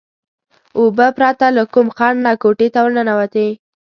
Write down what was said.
اوبه پرته له کوم خنډ نه کوټې ته ورننوتې.